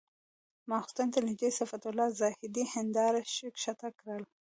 ماخستن ته نږدې صفت الله زاهدي هنداره ښکته کړه.